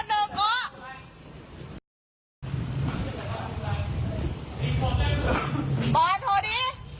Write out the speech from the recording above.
บอกโทรดิ